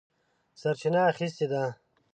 سرچینه اخیستې ده.